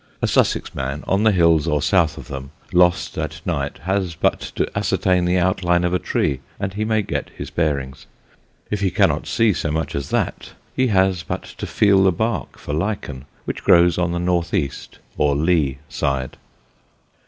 A Sussex man, on the hills or south of them, lost at night, has but to ascertain the outline of a tree, and he may get his bearings. If he cannot see so much as that he has but to feel the bark for lichen, which grows on the north east, or lee, side.